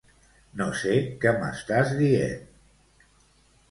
No sé què m'estàs dient.